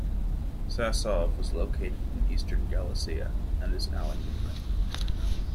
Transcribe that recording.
Sasov was located in Eastern Galicia, and is now in Ukraine.